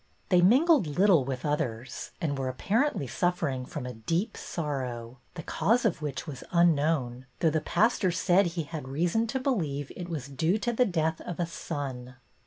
They mingled little with others, and were apparently suffering from a deep sorrow, the cause of which was unknown, though the pastor said he had reason to believe it was due to the death of a son.